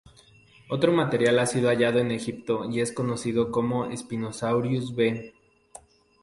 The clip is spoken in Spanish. Otro material ha sido hallado en Egipto y es conocido como "Spinosaurus B".